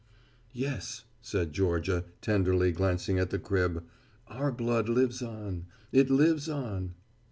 "Yes," said Georgia tenderly glancing at the crib, "our blood lives on, it lives on."